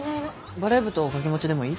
バレー部と掛け持ちでもいい？